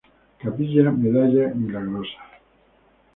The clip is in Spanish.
Capilla Medalla Milagrosa